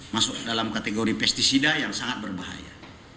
masuk dalam kategori pesticida yang sangat berbahaya